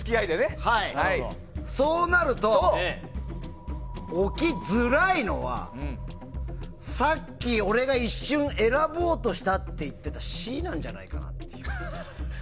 そうなると、置きづらいのはさっき俺が一瞬選ぼうとしたと言ってたＣなんじゃないかなって。